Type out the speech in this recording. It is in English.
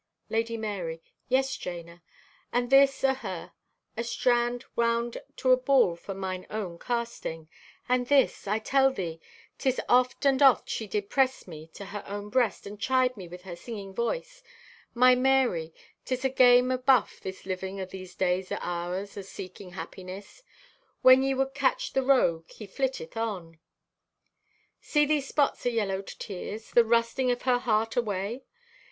(Lady Marye) "Yea, Jana, and this o' her, a strand wound to a ball for mine own casting. And this! I tell thee, 'tis oft and oft she did press me to her own breast and chide me with her singing voice: 'My Marye, 'tis a game o' buff, this living o' these days o' ours o' seeking happiness. When ye would catch the rogue he flitteth on.' "See, these spots o' yellowed tears—the rusting of her heart away!